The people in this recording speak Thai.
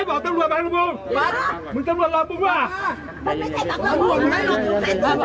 พอถนมา